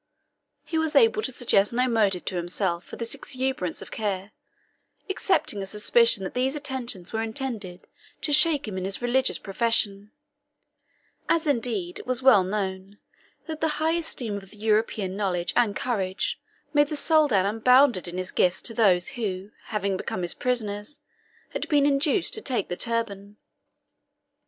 He was able to suggest no motive to himself for this exuberance of care, excepting a suspicion that these attentions were intended to shake him in his religious profession as indeed it was well known that the high esteem of the European knowledge and courage made the Soldan unbounded in his gifts to those who, having become his prisoners, had been induced to take the turban.